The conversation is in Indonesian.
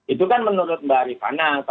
itu kan menurut mbak rifana